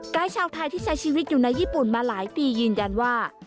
ชาวไทยที่ใช้ชีวิตอยู่ในญี่ปุ่นมาหลายปียืนยันว่า